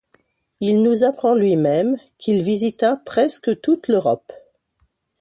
Il nous apprend lui-même qu'il visita presque toute l'Europe.